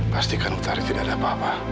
pastikan tidak ada apa apa